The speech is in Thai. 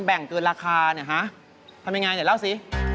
แบ่งเกินราคาเนี่ยฮะทำยังไงเดี๋ยวเล่าสิ